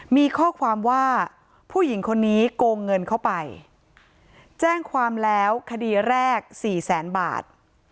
มีข้อความว่าผู้หญิงคนนี้โกงเงินเข้าไปแจ้งความแล้วคดีแรกสี่แสนบาท